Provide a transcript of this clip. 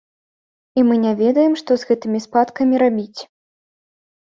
І мы не ведаем, што з гэтымі спадкамі рабіць.